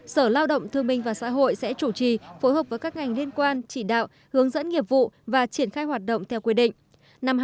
sở lao động thương minh và xã hội sẽ chủ trì phối hợp với các ngành liên quan chỉ đạo hướng dẫn nghiệp vụ và triển khai hoạt động theo quy định